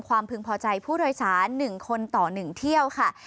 พึงพอใจผู้โดยสาร๑คนต่อ๑เที่ยวค่ะ